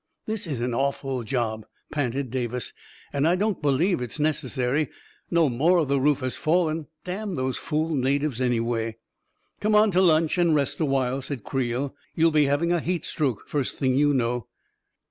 " This is an awful job," panted Davis, " and I don't believe it is necessary. No more of the roof has fallen. Damn those fool natives, any way !"" Come on to lunch and rest awhile," said Creel. " You'll be having a heat stroke, first thing you know!"